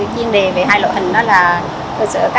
chiên đề về hai lộ hình đó là